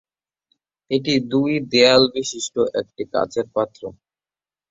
এটি দুই দেয়াল বিশিষ্ট একটি কাচের পাত্র।